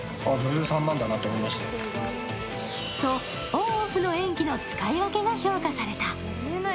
オンオフの演技の使い分けが評価された。